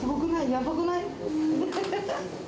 やばくない？